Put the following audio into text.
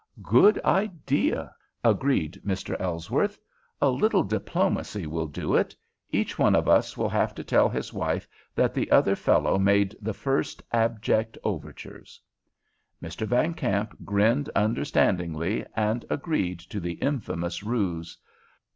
"Good idea," agreed Mr. Ellsworth. "A little diplomacy will do it. Each one of us will have to tell his wife that the other fellow made the first abject overtures." Mr. Van Kamp grinned understandingly, and agreed to the infamous ruse.